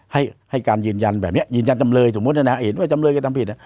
ให้ให้การยืนยันแบบนี้ยืนยันจำเลยสมมุติเห็นว่าจำเลยกระทำผิด